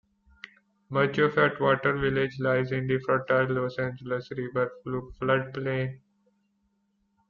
Much of Atwater Village lies in the fertile Los Angeles River flood plain.